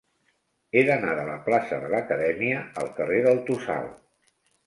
He d'anar de la plaça de l'Acadèmia al carrer del Tossal.